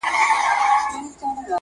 زما په سر دې دغسې یو سل الزامه نور وي